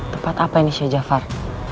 tempat apa ini shea jafar